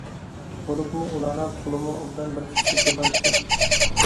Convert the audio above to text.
بولۇپمۇ ئۇلارنىڭ تولىمۇ ئوبدان بىر خىسلىتى بار ئىكەن.